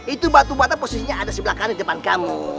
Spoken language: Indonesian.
itu batu bata posisinya ada sebelah kanan depan kamu